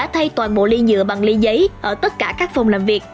thay toàn bộ ly nhựa bằng ly giấy ở tất cả các phòng làm việc